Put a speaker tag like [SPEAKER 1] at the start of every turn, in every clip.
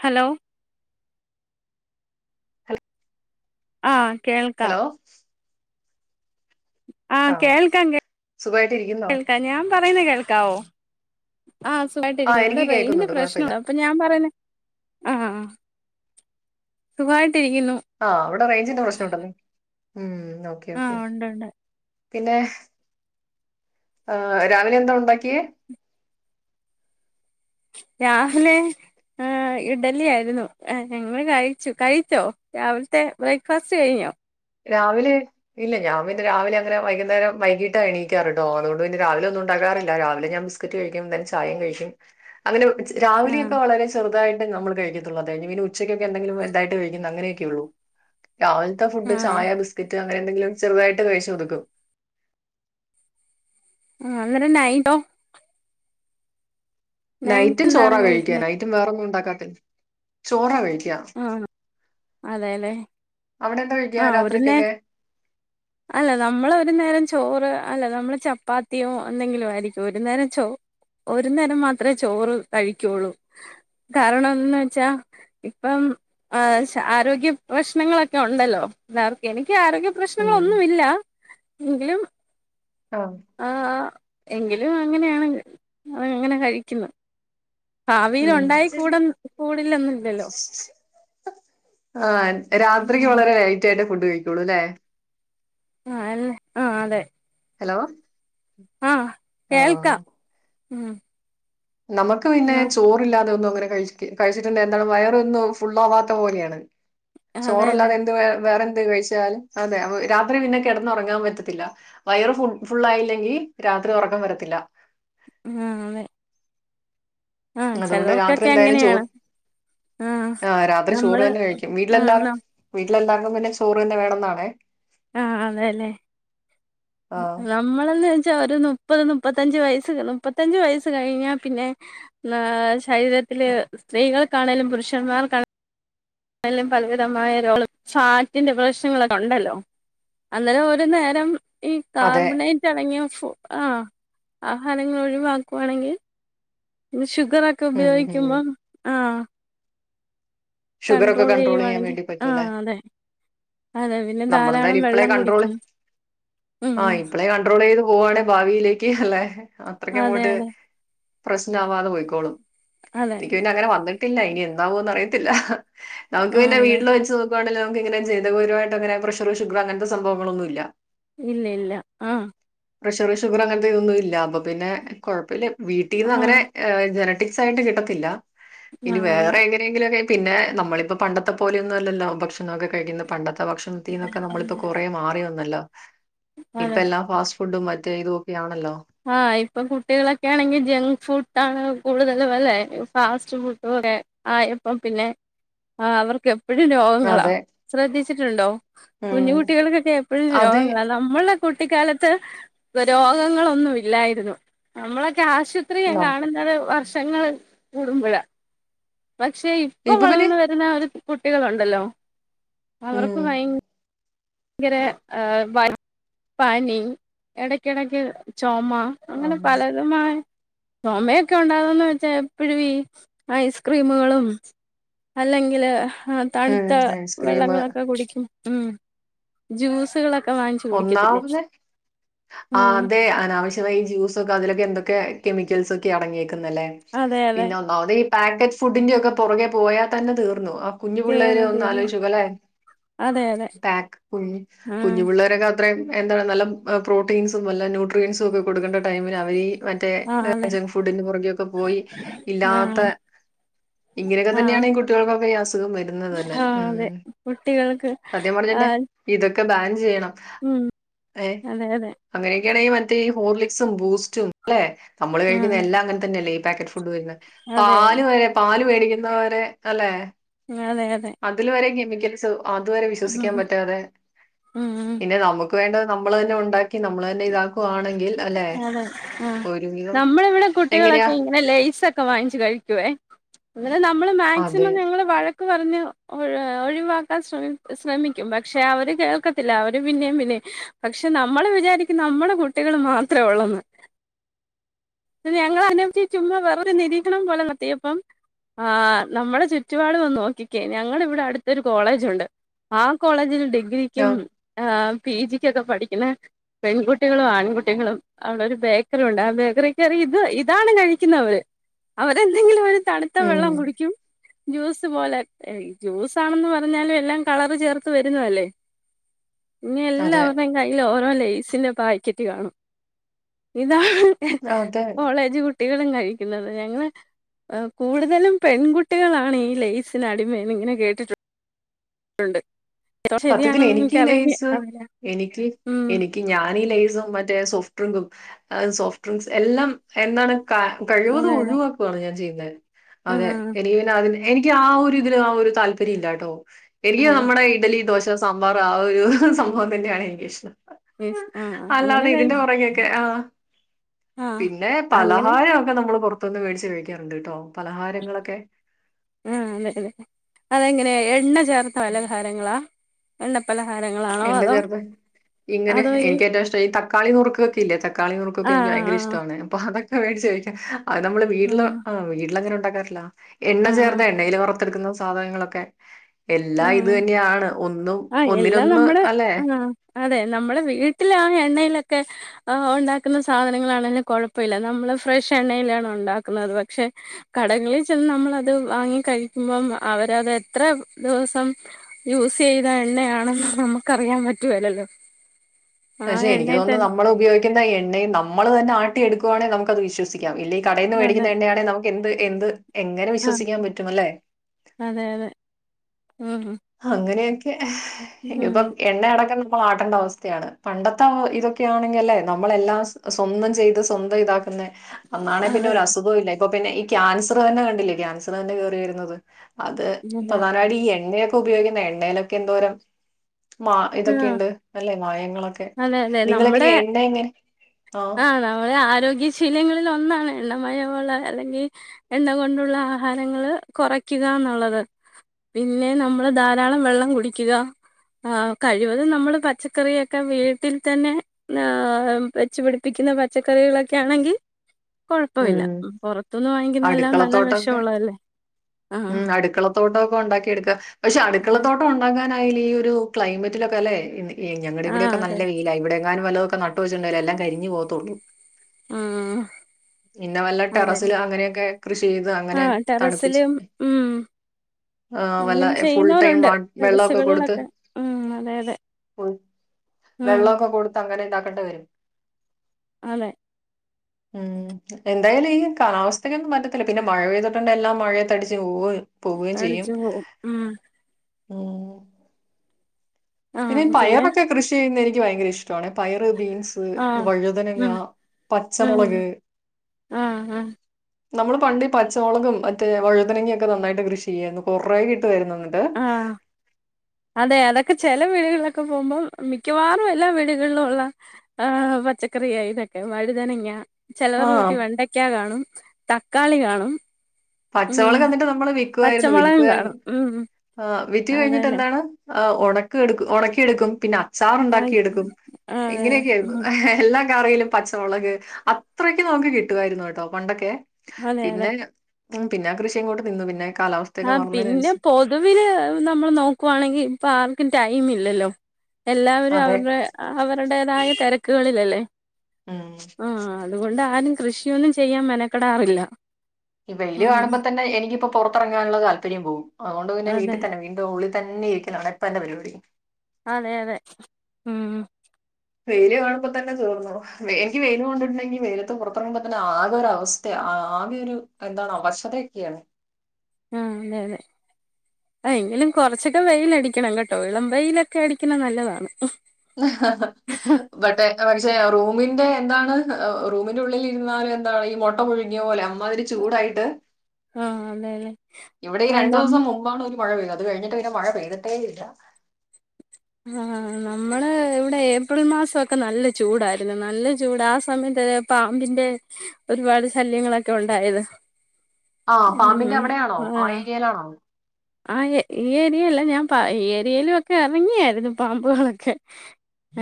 [SPEAKER 1] Hello ആഹ് കേൾക്കാം
[SPEAKER 2] hello
[SPEAKER 1] ആഹ് കേൾക്കാം കേ
[SPEAKER 2] സുഖമായിട്ട് ഇരിക്കുന്നോ
[SPEAKER 1] കേൾക്കാം ഞാൻ പറയുന്ന കേൾക്കാവോ? ആഹ്
[SPEAKER 2] ആഹ്
[SPEAKER 1] സുഖായ്ട്ടിരിന് വ്ട
[SPEAKER 2] എനിക്ക്
[SPEAKER 1] റെയിനിന്റെ
[SPEAKER 2] കേൾക്കുന്നുണ്ട് കുഴപ്പമില്ല
[SPEAKER 1] പ്രശ്നണ്ടൊ പ്പ ഞാൻ പറയുന്ന അ ആഹ് സുഖായിട്ടിരിക്കുന്നു
[SPEAKER 2] ആഹ് അവിടെ റേഞ്ചിന്റെ പ്രശ്നംണ്ടല്ലേ ഉം ഓക്കേ ഓക്കേ
[SPEAKER 1] ആഹ് ഉണ്ട് ഉണ്ട്
[SPEAKER 2] പിന്നെ ഹ് അ രാവിലെ എന്താ ഉണ്ടാക്കിയെ?
[SPEAKER 1] രാഹിലെ ആഹ് ഇഡ്ഡലി ആയിരുന്നു ആ ഞങ്ങൾ കഴിച്ചു കഴിച്ചോ രാവിൽത്തെ ബ്രേക്ക്ഫാസ്റ്റ് കഴിഞ്ഞോ?
[SPEAKER 2] രാവിലെ ഇല്ല ഞാപിന്നെ രാവിലെ അങ്ങനെ വൈകുന്നേരം വൈകീട്ടാ എണീക്കാറ് ട്ടോ അതുകൊണ്ട്ന്ന രാവില ഒന്നും ഉണ്ടാക്കാറില്ല രാവിലെ ഞാൻ സ് ക്കറ്റ് കഴിക്കുമ്പം തന്നെ ചായേം കഴിക്കും അങ്ങനെ ച്
[SPEAKER 1] ആഹ്
[SPEAKER 2] രാവിലെയൊക്കെ വളരെ ച് ചെറുതായിട്ട് നമ്മള് കഴിക്കത്തുള്ളു അതായ പിന്നെ ഉച്ചക്കൊക്കെ എന്തെങ്കിലും വലുതായിട്ട് കഴിക്കുന്നങ്ങനെയൊക്കെ ഉള്ളൂ രാവിൽത്ത ഫുഡ്
[SPEAKER 1] ആഹ്
[SPEAKER 2] ചായ ബിസ്ക്കറ്റ് അങ്ങനെ ന്തെങ്കിലും ചെറുതായിട്ട് കഴിച്ചു കൊടുക്കും
[SPEAKER 1] ആഹ് അന്നേരന്നായി ണ്ടോ? നൈറ്റ്
[SPEAKER 2] നൈറ്റും
[SPEAKER 1] എന്താണ്
[SPEAKER 2] ചോറാ കഴിക്ക
[SPEAKER 1] കഴിക്കുന്നെ
[SPEAKER 2] നൈറ്റും വേറൊന്നും ഉണ്ടാക്കാത്തെ ചോറാ കഴിക്ക
[SPEAKER 1] ആഹ് അതെല്ലേ
[SPEAKER 2] അവിടെന്താ കഴിക്ക
[SPEAKER 1] ആഹ് ഒരു നേ
[SPEAKER 2] രാത്രിക്കൊക്കെ?
[SPEAKER 1] അല്ല നമ്മൾ ഒരു നേരം ചോറ് അല്ല നമ്മള് ചപ്പാത്തിയോ എന്തെങ്കിലും ആയിരിക്കും ഒരു നേരം ചോ ഒരു നേരം മാത്രേ ചോറ് കഴിക്കുള്ളൂ കാരണം ന്ന് വെച്ചാ ഇപ്പം ആ ച് ആരോഗ്യ പ്രശ്നങ്ങളൊക്കെ ഒണ്ടല്ലോ എല്ലാർക്കു എനിക്ക് ആരോഗ്യ
[SPEAKER 2] ഉം
[SPEAKER 1] പ്രശ്നങ്ങളൊന്നു ഇല്ല എങ്കിലും
[SPEAKER 2] ആഹ്
[SPEAKER 1] ആ ആഹ് എങ്കിലും അങ്ങനെയാണ് അവന ങ്ങനെ കഴിക്കുന്നു ഭാവിലു
[SPEAKER 2] ഉം
[SPEAKER 1] ണ്ടായി കൂട കൂടില്ലന്നില്ലല്ലോ
[SPEAKER 2] ആഹ് രാത്രിക്ക്
[SPEAKER 1] ഉം
[SPEAKER 2] വളരെ ലൈറ്റാ യിട്ടെ ഫുഡ് കഴിക്കുള്ളുല്ലേ
[SPEAKER 1] ഞാന് ആഹ് അതെ
[SPEAKER 2] ഹലോ
[SPEAKER 1] ആഹ് കേൾക്ക
[SPEAKER 2] ആഹ്
[SPEAKER 1] ഉം
[SPEAKER 2] നമക്ക് പിന്നെ
[SPEAKER 1] ആഹ്
[SPEAKER 2] ചോ ല്ലാതെ ഒന്നു അങ്ങനെകഴിച്ചിക്കി കഴിച്ചിട്ടില്ല എന്നാൽ വയറൊന്നും ഫുള്ളാവാത്ത പോലെയാണ്
[SPEAKER 1] അതെല്ലേ
[SPEAKER 2] ചോറല്ലാതെ എന്ത് വേറെന്ത് കഴിച്ചാലും അതെ രാത്രി പിന്നെ കെടന്നുറങ്ങാൻ പറ്റത്തില്ല വയറ് ഫു ഫുുള്ളായില്ലെങ്കി രാത്രി ഒറക്കം വരത്തില്ല
[SPEAKER 1] ആഹ് അതെ ആഹ്
[SPEAKER 2] അതുകൊണ്ട് രാത്രി
[SPEAKER 1] ചിലർക്കൊക്കെ
[SPEAKER 2] എന്തായാലും ചോർ
[SPEAKER 1] അങ്ങനെയാണ്
[SPEAKER 2] ആഹ് രാത്രി ചോറ്
[SPEAKER 1] നമ്മള്
[SPEAKER 2] തന്നെ കഴിക്കും വീട്ടിലെല്ലാ
[SPEAKER 1] ആഹ്
[SPEAKER 2] വീട്ടിലെല്ലാർക്കും പിന്നെ ചോറ് തന്നെ വേണംന്നാണെ
[SPEAKER 1] ആഹ് അതെല്ലേ
[SPEAKER 2] ആഹ്
[SPEAKER 1] അലോ മ്മളന്ന് വെച്ചാ ഒരു നുപ്പത് നുപ്പത്തഞ്ചു വയസ്സ് നുപ്പത്തഞ്ചു വയസ്സ് കഴിഞ്ഞാ പിന്നെ ന്നാ ശരീരത്തില് സ്ത്രീകൾക്കാണെലും പുരുഷന്മാർക്കാ അലും പലവിധമായ രോഗ ളുംഫാറ്റിന്റെ പ്രശ്നങ്ങളൊക്കെ ഉണ്ടല്ലോ അന്നേരെ ഒരു നേരം ഈ
[SPEAKER 2] അതെ
[SPEAKER 1] കാർബണേറ്റ് അടങ്ങിയ ഫു ആഹ് ആഹാരങ്ങൾ ഒഴിവാക്യുവാണെങ്കിൽ
[SPEAKER 2] ഉം ഉം
[SPEAKER 1] വിശുഗറക്കെബ്യോകിക്കുമ്പം
[SPEAKER 2] ഷുഗറൊക്കെ
[SPEAKER 1] കൺട്രോൾ
[SPEAKER 2] കണ്ട്രോളിയ്യാൻ
[SPEAKER 1] ചെയ്യുവാണെങ്കിൽ
[SPEAKER 2] വേണ്ടി പറ്റൂലേ
[SPEAKER 1] ആഹ് അതെ അതെ പിന്നെ ധാരാളം
[SPEAKER 2] നമ്മളെന്തായാലുപ്ലേ
[SPEAKER 1] വെള്ളം
[SPEAKER 2] കണ്ട്രോള്
[SPEAKER 1] കുടിക്കണം ഉം ഉം
[SPEAKER 2] ആഹ് ഇപ്ലേ കൺണ്ട്രോളീത് പോവാണേ ഭാവിയിലേക്ക് അല്ലെ അത്ര
[SPEAKER 1] അതെ
[SPEAKER 2] ക്യങ്ങോട്ട്
[SPEAKER 1] അതെ
[SPEAKER 2] പ്രശ്നാവാത പോയ്ക്കോളും
[SPEAKER 1] അതെ
[SPEAKER 2] ക്കീന്ന അങ്ങനെ വന്ന്ട്ടില്ല ഇനി എന്താവോന്ന് അറിയത്തില്ല നമുക്ക്
[SPEAKER 1] ആഹ്
[SPEAKER 2] പിന്നെ
[SPEAKER 1] അതെ
[SPEAKER 2] വീട്ടില് വെച്ച് ന് ക്യാണില് നംക്കിങ്ങനെ ചേതകരുവട്ട ങ്ങനെ പ്രഷറും ശുകറുഅങ്ങൻത്തെ സംഭവങ്ങളൊന്നുല്ല
[SPEAKER 1] ഇല്ലേ ല്ല ആഹ്
[SPEAKER 2] പ്രഷറ് ഷുഗറ് അങ്ങൻത്തെ ഇതൊന്നു ല്ല അപ്പൊ പിന്നെ കൊഴപ്പ്യല്ല വീട്ടിന്ന്
[SPEAKER 1] ആഹ്
[SPEAKER 2] അങ്ങനെ എ ജനറ്റിക്സായിട്ട് കിട്ടത്തില്ല ഇനി
[SPEAKER 1] ആഹ്
[SPEAKER 2] വേറെ എങ്ങനെങ്കിലുക്കെ പിന്നെ നമ്മളിപ്പോ പണ്ടത്തെ പോലെയൊന്നുല്ലല്ലോ ഭക്ഷണൊക്കെ കഴിക്കുന്ന പണ്ടത്തെ ഭക്ഷണത്തീന്നൊക്കെ നമ്മളിപ്പോ കൊറേ മാറി വന്നല്ലോ ഇപ്പ
[SPEAKER 1] അതെ
[SPEAKER 2] എല്ലാം ഫാസ്റ്റ് ഫുഡും മറ്റേ ഇതോക്കെയാണല്ലോ
[SPEAKER 1] ആഹ് ഇപ്പൊ കുട്ടികളൊക്കെണെങ്കി ജങ്ക് ഫുഡാണ് കൂടുതലും അല്ലെ ഫാസ്റ്റ് ഫുഡുക്കെ ആഹ് എപ്പഴും പിന്നെ ആഹ് അവർക്ക് എപ്പഴുരോഗങ്ങളാ
[SPEAKER 2] അതെ
[SPEAKER 1] ശ്രദ്ധിച്ചിട്ട്ണ്ടോ കുഞ്ഞു
[SPEAKER 2] ഉം
[SPEAKER 1] കുട്ടികൾക്കൊക്കെ എപ്പഴും
[SPEAKER 2] അതെ
[SPEAKER 1] രോഗങ്ങളാ നമ്മളെ കുട്ടിക്കാലത്ത് വരോഗങ്ങളൊന്നുല്ലായിരുന്നു നമ്മളൊക്കെ ആശു ഇത്രീ
[SPEAKER 2] നം
[SPEAKER 1] യാകാണുന്നത് വർഷങ്ങൾ കൂടുമ്പഴാ പക്ഷേയി
[SPEAKER 2] ഈപ പിന്നെ
[SPEAKER 1] ര്ന്നാ അത്ട് കുട്ടികളുണ്ടല്ലോ
[SPEAKER 2] ഉം
[SPEAKER 1] അവർക്ക് ഭയങ്ക ങ്കര ഏ പൻ പനി എടക്കെടക്ക് ചൊമ അങ്ങനെ
[SPEAKER 2] ആം.
[SPEAKER 1] പലതുമായി ചൊമയൊക്കെ ഉണ്ടാവുന്ന വെച്ചാ എപ്പഴു ഈ ഐസ്ക്രീമുകളും അല്ലെങ്കില് തണ്ത്ത
[SPEAKER 2] ഉം ഐസ്ക്രീം
[SPEAKER 1] വെള്ളങ്ങളൊക്കെ കുടിക്യും ഉം ജ്യൂസ് കളെ
[SPEAKER 2] ഒന്നാവുത് ആഹ്
[SPEAKER 1] ഉം
[SPEAKER 2] അതെ അനാവശ്യ ജ്‌വൈ ജൂസൊക്കെ അതിലൊക്കെ എന്തൊക്കെ കെമിക്കൽ സൊക്കെ അടങ്ങീക്ക്ന്നല്ലേ
[SPEAKER 1] അതെ അതെ
[SPEAKER 2] പിന്നഹ് ഔതെ ഈ പാക്കറ്റ് ഫുഡിന്റെയൊക്കെ പൊറകെ പോയാതന്നെ തീർന്നു ആഹ് കുഞ്ഞു പിള്ളേരെ
[SPEAKER 1] തീർന്ന്
[SPEAKER 2] ഒന്ന്
[SPEAKER 1] തീർന്ന്
[SPEAKER 2] ആലോയ് ഷോക്കലെ
[SPEAKER 1] അതെ അതെ
[SPEAKER 2] പേക്ക് കുഞ്ഞ്
[SPEAKER 1] ഉം
[SPEAKER 2] കുഞ്ഞു പിള്ളേ ൻ്റെകത്രിം എന്താണ് നല്ല പ്രോട്ടീൻ സൊന്ന്യുല്ല ന്യൂട്രീൻസൊക്കെ കൊടുക്കണ്ട ടൈമിൽ അവര് ഈ മറ്റേ
[SPEAKER 1] ആ അതെ
[SPEAKER 2] ജങ്ക് ഫുഡിന്റെ പുറകെക്കെ പോയി
[SPEAKER 1] ആ
[SPEAKER 2] ഇല്ലാത്ത ഇങ്ങനെയൊക്കെ
[SPEAKER 1] ആ
[SPEAKER 2] തന്നെയാണ് കുട്യോൾക്കൊക്കെ ഈ അസുഖം വരുന്നത് തന്നെ
[SPEAKER 1] ആ അതെ
[SPEAKER 2] ഉം
[SPEAKER 1] കുട്ടികൾക്ക്
[SPEAKER 2] സത്യം
[SPEAKER 1] ആ
[SPEAKER 2] പറഞ്ഞൻ്റെ ഇതൊക്കെ ബാൻ ചെയ്യണം
[SPEAKER 1] ഉം അതെ അതെ
[SPEAKER 2] അങ്ങനെയൊക്കെയാണെങ്കി മറ്റേ ഈ ഹോർലിക്സും ബൂസ്റ്റും ല്ലെ അമ്മള്
[SPEAKER 1] ആ
[SPEAKER 2] കഴിക്കുന്ന എല്ലാം അങ്ങൻ തന്നെയല്ലേ ഈ പാക്കറ്റ് ഫുഡ് വരുന്ന
[SPEAKER 1] അതെ
[SPEAKER 2] പാല്
[SPEAKER 1] അതെ
[SPEAKER 2] വരെ പാല് മേടിക്കുന്നവരെ അല്ലെ
[SPEAKER 1] അതെ യതെ
[SPEAKER 2] അതില് വരെ കെമിക്കൽസ് അതുവരെ വിശ്വസിക്കാൻ പറ്റാതെ
[SPEAKER 1] ഉം ഉം
[SPEAKER 2] ന്നെ നമുക്ക് വേണ്ട നമ്മൾ തന്നെ ഉണ്ടാക്കി നമ്മൾ തന്നെ ഇതാ
[SPEAKER 1] ആണ് ആഹ
[SPEAKER 2] ഒരുവിധം
[SPEAKER 1] നമ്മളിവിടെ
[SPEAKER 2] എങ്ങനെയാ
[SPEAKER 1] കുട്ടികളൊക്കെ ഇങ്ങനെ ലയ്സൊക്കെ ഒക്കെ വാങ്ങിച്ച കഴിക്കേ ന്നാ നമ്മൾ
[SPEAKER 2] അതെ
[SPEAKER 1] മാക്സിമം ഞങ്ങൾ വ ഴക്ക് പറഞ്ഞ് ഒഴിവാക്കാൻ ശ്ര ശ്രമിക്കും പക്ഷെ അവര് കേൾക്കത്തില്ല അവര് പിന്നെയേും പിന്നേ പക്ഷെ നമ്മള് വിചാരിക്കും നമ്മടെ കുട്ടികൾ മാത്രം ഉള്ളന്ന് ഞങ്ങൾ അനജി ചുമ വേറൊരുതൻ നിരീക്ഷണം കൊല കത്തി അപ്പം ആ നമ്മുടെ ചുറ്റുപാട് വന്ന് നോക്കിക്കേ ഞങ്ങള ഇവിടെ അടുത്തൊരു കോളേജുണ്ട് ആ കോളേജിൽ
[SPEAKER 2] ആ
[SPEAKER 1] ഡിഗ്രിക്കും ആ പിജിക്കൊക്കെ പഠിക്ക്ണ പെൺകുട്ടികളും ആൺകുട്ടികളും അവിടെ ഒരു ബേക്കറി ഉണ്ട് ആ ബേക്കറി ചെറിയ ഇത് ഇതാണ് കഴിക്കുന്നവര് അവരെന്തെങ്കിലും ഒരു തണുത്ത
[SPEAKER 2] ഉം
[SPEAKER 1] വെള്ളം കുടിക്കും ജ്യൂസ് പോലെ ജ്യൂസ് ആണെന്ന് പറഞ്ഞാലും എല്ലാം കളറ് ചേർത്ത് വരുന്നു അല്ലേ
[SPEAKER 2] [inaudible]
[SPEAKER 1] ഇനി ‌
[SPEAKER 2] അതെ
[SPEAKER 1] എല്ലാവരുടെ കയ്യിൽ ഓരോ ലൈസിന്റെ പാക്കറ്റ് കാണും ഇതാണ്
[SPEAKER 2] അതെ
[SPEAKER 1] കോളേജ് കുട്ടികളും കഴിക്കുന്നത് ഞങ്ങൾ കൂടുതലും പെൺകുട്ടികളാണ് ഈ ലൈസിന് അടിമ എന്ന് ഇങ്ങനെ കേട്ടിട്ടു
[SPEAKER 2] സത്യത്തിൽ
[SPEAKER 1] ശരിയാണെന്ന്
[SPEAKER 2] എനിക്ക് ഈ
[SPEAKER 1] അറിഞ്ഞ
[SPEAKER 2] ലൈസ്
[SPEAKER 1] അറിയില്ല
[SPEAKER 2] എനിക്ക്
[SPEAKER 1] ഉം
[SPEAKER 2] എനി ഞാൻ ഈ ലൈസും മറ്റേ സോഫ്റ്റ് ഡ്രിങ്കും ആ സോഫ്റ്റ് ഡ്രിങ്ക്സും എല്ലാം എന്നാണ് കാ കഴിവതും
[SPEAKER 1] അതെ അതെ
[SPEAKER 2] ഒഴിവാക്കാണ് ഞാൻ ചെയ്യുന്നത്
[SPEAKER 1] ആ
[SPEAKER 2] അതെ എനിക്കിനി ആദ്യന്നെ എനിക്ക് ആ ഒരു ഇതിൽ ആ ഒരു താല്പര്യം ഇല്ല ട്ടോ എനിക്ക്
[SPEAKER 1] അതെ
[SPEAKER 2] നമ്മടെ ഇഡലി ദോശ സാമ്പാറ് ആ ഒരു സംഭവം തന്നെയാണ് എനിക്കിഷ്ടം
[SPEAKER 1] ആ അങ്ങനെ
[SPEAKER 2] അല്ലാതെ
[SPEAKER 1] കഴി
[SPEAKER 2] ഇതിന്റെ പൊറകെക്കെ ആ
[SPEAKER 1] ആ
[SPEAKER 2] പിന്നെ
[SPEAKER 1] അങ്ങനെ
[SPEAKER 2] പലഹാരം നമ്മൾ പുറത്തനിന്ന് മേടിച്ച് കഴിക്കാറുണ്ട്ട്ടോ പലഹാരങ്ങളൊക്കെ
[SPEAKER 1] ഉം അതെ അതെ അതെങ്ങനെയ എണ്ണ ചേർത്ത
[SPEAKER 2] ഉം.
[SPEAKER 1] പലഹാരങ്ങളാ എണ്ണ പലഹാരങ്ങളാ
[SPEAKER 2] എണ്ണ ചേർത് ഇങ്ങനെ എനിക്ക് ഏറ്റവും ഇഷ്ട തക്കാളി നുറ്ക്കൊക്കെ ഇല്ലേ തക്കാളി നുറ്ക്കൊക്കെ
[SPEAKER 1] ആ
[SPEAKER 2] എനി ഭയങ്കര
[SPEAKER 1] ആ
[SPEAKER 2] ഇഷ്‌ടാണ് അപ്പോ അതോ മേട്ച്ച് വെക്കാം അത് നമ്മള് വീട്ടില് ആ വീട്ടിലങ്ങനെ ഉണ്ടാക്കാറില്ല എണ്ണ
[SPEAKER 1] ആ ആ
[SPEAKER 2] ചേർത്ത് എണ്ണയിൽ വറു ക്കുന്ന സാധനങ്ങളൊക്കെ എല്ലാം
[SPEAKER 1] ആഹ്
[SPEAKER 2] ഇത് തന്നെയാണ് ഒന്നും ഒന്നിനൊന്ന്
[SPEAKER 1] ആ
[SPEAKER 2] അല്ലെ
[SPEAKER 1] അതെ നമ്മള് വീട്ടിലാണ് എണ്ണയിലൊക്കെ ആ ഉണ്ടാക്കുന്ന സാധനങ്ങളാണെങ്കിലും കൊഴപ്പമില്ല നമ്മള് ഫ്രഷ് എണ്ണയിലാണ് ഉണ്ടാക്കുന്നത് പക്ഷേ കടകളിൽ ചെന്ന് നമ്മൾ അത് വാങ്ങി കഴിക്കുമ്പോ അവരത് എത്ര ദിവസം യൂസ് ചെയ്ത എണ്ണയാണെന്ന് നമുക്കറിയാൻ പറ്റൂല്ലല്ലോ
[SPEAKER 2] പക്ഷേ എനിക്ക് തോന്നുന്നു നമ്മൾ ഉപയോഗിക്കുന്ന എണ്ണയും നമ്മള് തന്നെ ആട്ടിയടുക്കാണെ നമുക്കത് വിശ്വസിക്കാം വിശ്യസിക്കാം ഇല്ല ഈ കടയിൽന്ന്
[SPEAKER 1] അതെ
[SPEAKER 2] മേടിക്കുന്ന എണ്ണയാണെ നമുക്ക് എന്ത് എന്ത് എങ്ങനെ
[SPEAKER 1] ആഹ്
[SPEAKER 2] വിശ്വസിക്കാൻ പറ്റും അല്ലേ
[SPEAKER 1] അതെ അതെ ഉം
[SPEAKER 2] അങ്ങനെയൊക്കെ
[SPEAKER 1] ഉം
[SPEAKER 2] ഇനീപ്പം എണ്ണ അടക്കം നമ്മൾ ആട്ടേണ്ട അവസ്ഥയാണ് പണ്ടത്തെ ഇതൊക്കെയാണെങ്കിൽ അല്ലേ നമ്മളെല്ലാ സ് സ്വന്തം ചെയ്ത് സ്വന്തം ഇതാക്കുന്നേ അന്നാണേ പിന്നെ
[SPEAKER 1] അതെ
[SPEAKER 2] ഒരു അസുഖവും ഇല്ല ഇപ്പോ പിന്നെ ഈ ക്യാൻസർ തന്നെ കണ്ടില്ലേ ക്യാൻസർ തന്നെ കേറി വരുന്നത് അത്
[SPEAKER 1] അതെ
[SPEAKER 2] പ്രധാനമായിട്ട് ഈ എണ്ണയൊക്കെ ഉപയോഗിക്കുന്ന എണ്ണയിലൊക്കെ എന്തോരം മാ
[SPEAKER 1] ആഹ്
[SPEAKER 2] ഇതൊക്കെയുണ്ട് അല്ലേ മായങ്ങളൊക്കെ നിങ്ങളങ്ങനെയ എണ്ണ എങ്ങനെ ആഹ്
[SPEAKER 1] ആഹ നമ്മളെ ആരോഗ്യശീലയങ്ങളിൽ ഒന്നാണ് എണ്ണമയമുള്ള അല്ലെങ്കിൽ എണ്ണ കൊണ്ടുള്ള ആഹാരങ്ങള് കൊറക്കുക എന്നുള്ളത് പിന്നെ നമ്മള് ധാരാളം വെള്ളം കുടിക്കുക ആഹ കഴിവതും നമ്മള് പച്ചക്കറിയൊക്കെ വീട്ടിൽ തന്നെ ആ വെച്ചു പിടിപ്പിക്കുന്ന പച്ചക്കറികളൊക്കെ ആണെങ്കി
[SPEAKER 2] ഉം
[SPEAKER 1] കൊഴപ്പമില്ല പൊറത്തുന്ന് വാങ്ങിക്കുന്നതെല്ലാം നല്ല
[SPEAKER 2] അടുക്കളത്തോട്ടൊക്കെ
[SPEAKER 1] വെഷമുള്ള അല്ലേ
[SPEAKER 2] ഉം, അടുക്കളത്തോട്ട ഒക്കെ ഉണ്ടാക്കിയെടുക്കുക പക്ഷേ അടുക്കളത്തോ ഉണ്ടാക്കാനായ്ല് ഈ ഒരു ക്ലൈമറ്റിലൊക്കെ അല്ലെ ഞങ്ങളുടെ
[SPEAKER 1] ആ
[SPEAKER 2] ഇവിടൊക്കെ
[SPEAKER 1] അതെ
[SPEAKER 2] നല്ല വെയില ഇവിടെ എങ്ങാനും വല്ലതെക്കെ നട്ട് [unintelligible] എല്ലാം കരിഞ്ഞ് പോകതൊള്ളൂ.
[SPEAKER 1] ഉം.
[SPEAKER 2] പിന്നെ വല്ല ടറസില് അങ്ങനെയൊക്കെ കൃഷി ചെയ്ത്
[SPEAKER 1] ആ
[SPEAKER 2] അങ്ങനെ തണുപ്പിച്ച്
[SPEAKER 1] ടെറസിലും ഉം
[SPEAKER 2] ആ വല്ല
[SPEAKER 1] അങ്ങനെ
[SPEAKER 2] ഫുൾ ടൈം വ
[SPEAKER 1] ചെയ്യുന്നവരുണ്ട്
[SPEAKER 2] വെള്ളമൊക്കെ കൊടുത്ത്
[SPEAKER 1] ടെറസുകളിലൊക്കെ ഉം അതെ അതെ
[SPEAKER 2] ഉം,
[SPEAKER 1] ഉം
[SPEAKER 2] വെള്ള ഒക്കെ കൊടുത്ത് അങ്ങനെ ഇണ്ടാകണ്ട് വരും.
[SPEAKER 1] ആ ന്നേ, [unintelligible]
[SPEAKER 2] ഉം. എന്തായാലും ഈ കാലാവസ്ഥക്കൊന്നും പറ്റത്തില്ല പിന്നെ മഴ പെയ്തിട്ടുണ്ട് എല്ലാം മഴയെ തടിച്ച് പോ പോവേ ചെയ്യും.
[SPEAKER 1] അടിച്ചു പോവും ഉം
[SPEAKER 2] ഉം പിന്നെ പയറൊക്കെ കൃഷി ചെയ്യുന്നത് എനിക്ക് ഭയങ്കര ഇഷ്ടമാണ്. പയറ് ബീൻസ്. ഹ്
[SPEAKER 1] ആഹ്
[SPEAKER 2] വഴുതനങ്ങ
[SPEAKER 1] ഉം ഉം
[SPEAKER 2] പച്ചമുളക്.
[SPEAKER 1] ആഹ് ആഹ്
[SPEAKER 2] നമ്മൾ പണ്ട് ഈ പച്ചമുളകും മറ്റേ വഴുതനങ്ങ ഒക്കെ നന്നായിട്ട് കൃഷി ചെയ്യായിരുന്നു കൊറേ ഇട്ട് വരുന്നു-
[SPEAKER 1] ആഹ. അതെ അതൊക്കെ ചെല വീടുകളിലൊക്കെ പോകുമ്പോൾ മിക്കവാറും എല്ലാ വീടുകളിലും ഉള്ള ആ, പച്ചക്കറിയാ ഇതൊക്കെ വഴുതനങ്ങ
[SPEAKER 2] ആ
[SPEAKER 1] വിലവരടെ വീട്ടിൽ വെണ്ടയ്ക്ക കാണും തക്കാളി കാണും. ഉം
[SPEAKER 2] പച്ചമുളക് എ ന്നിട്ട് നമ്മൾ വിൽക്കുവായിരുന്നു,
[SPEAKER 1] പച്ചമുളകും
[SPEAKER 2] വിൽക്കുയിരുന്നു,
[SPEAKER 1] കാണും ഉം
[SPEAKER 2] ആ വിറ്റ കഴിഞ്ഞിട്ട്
[SPEAKER 1] അതെല്ലേ
[SPEAKER 2] എന്താണ് ആ, ഉണക്ക എടുക്കും, ഉണക്കി എടുക്കും പിന്നെ
[SPEAKER 1] ആ
[SPEAKER 2] ചാറുണ്ടാക്കി, എടുക്കും
[SPEAKER 1] അതെ
[SPEAKER 2] ഇങ്ങനെയൊക്കെക്കും,
[SPEAKER 1] ഉം
[SPEAKER 2] എല്ല കറിയിലും പച്ചമുളക് അത്രൊക്കെ നമുക്ക് കിട്ടുവാ യിരുന്നു കേട്ടോ പണ്ടൊക്കെ
[SPEAKER 1] അതെ അതെ
[SPEAKER 2] പിന്നെ ഉം. പിന്നെ കൃഷി അങ്ങോട്ടു നീന്നു പിന്നെ കാലാവസ്ഥ
[SPEAKER 1] ആഹ, പിന്നെ പൊതുവിൽ നമ്മൾ നോക്കുവാണെങ്കി ഇപ്പൊ ആർക്കും ടൈം ഇല്ലല്ലോ എല്ലാവരും
[SPEAKER 2] അതെ
[SPEAKER 1] അവരുടെ, അവരുടേതായ തിരക്കുകളിലല്ലേ.
[SPEAKER 2] ഉം.
[SPEAKER 1] ആ, അതുകൊണ്ട് ആരും കൃഷിയൊന്നും ചെയ്യാൻ മെനക്കെടാറില്ല.
[SPEAKER 2] ഈ,
[SPEAKER 1] ആ
[SPEAKER 2] വെയില് കാണുമ്പോ തന്നെ എനിക്കിപ്പോ പുറത്തിറങ്ങാനുള്ള താല്പര്യം, പോവും അതുകൊണ്ടു തന്നെ
[SPEAKER 1] അതെ
[SPEAKER 2] വീട്ടിൽ തന്നെ തിന്റെ ഉള്ളി തന്നെരിക്കലാണ് ഇപ്പോ എന്റെ പരിപാടി.
[SPEAKER 1] അതെ അതെ ഉം.
[SPEAKER 2] വെയില കാണുമ്പൾ തന്നെ തോന്നു, വെയിൽ കൊണ്ടിട്ടുണ്ടെങ്കിൽ വെയിലത്ത് പുറത്തിറങ്ങുമ്പോ തന്നെ ആകെ ഒര അവസ്ഥ മെ ആകെ, ഒരു എന്താണ് അവശതയൊക്കെയാണ്.
[SPEAKER 1] ആ അതെ അതെ. ആ, എങ്കിലും കുറച്ചൊക്കെ വെയിൽ അടിക്കണം കേട്ടോ, ഇളം വെയിലൊക്കെ അടിക്കണ നല്ലതാണ്.
[SPEAKER 2] ആ. [unintelligible] മറ്റേ പക്ഷേ റൂമിന്റെ എന്താണ് റൂമിന്റ ള്ളിൽ ഇരുന്നാൽ എന്താണ് ഈ അ മുട്ട പുഴുങ്ങിയ പോലെ അമ്മതിര് ചൂടായിട്ട്,
[SPEAKER 1] ആഹ് അതെല്ലേ
[SPEAKER 2] ഇവിടെ ഈ
[SPEAKER 1] ആഹ്
[SPEAKER 2] രണ്ടു
[SPEAKER 1] നം
[SPEAKER 2] ദിവസം മുമ്പ് ഒരു മഴ പെയ്തു, അത് കഴിഞ്ഞട്ട് പിന്നെ മഴ പെയ്തിട്ടേ ഇല്ല.
[SPEAKER 1] ആ, നമ്മൾ ഇവിടെ ഏപ്രിൽ മാസക്കെ നല്ല ചൂടായിരുന്നു, നല്ല ചൂട് ആ സമയത്ത് പാമ്പിന്റെ ഒരുപാട് ശല്യങ്ങളൊക്കെ ഉണ്ടായത്.
[SPEAKER 2] ആ, പാമ്പിന്റെ
[SPEAKER 1] ഉം
[SPEAKER 2] അവിടെയാണോ, ആ
[SPEAKER 1] ആഹ്
[SPEAKER 2] ഏരിയയിലാണോ?
[SPEAKER 1] ആ, ഈ ഏരിയലില്ല, ഞാൻ ഈ ഏരിയയിലും ഒക്കെ ഇറങ്ങിയായിരുന്നു പാമ്പുകളൊക്കെ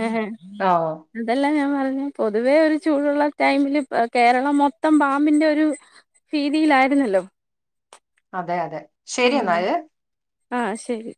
[SPEAKER 1] എ ഹ ഹ.
[SPEAKER 2] ആഹ [unintelligible]
[SPEAKER 1] അതെല്ലെ ഞാൻ പറഞ്ഞെ പൊതുവേ ഒരു ചൂടുള്ള ടൈമില് കേരളം മൊത്തം പാമ്പിന്റെ ഒരു ഭീതിയിലായിരുന്നല്ലോ
[SPEAKER 2] അതെ അതെ ശരി
[SPEAKER 1] ഉം
[SPEAKER 2] എന്നാല്
[SPEAKER 1] ആഹ് ശരി